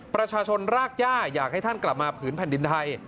ประชาชนรากย่าอยากให้ท่านกลับมาผืนแผ่นดินไทย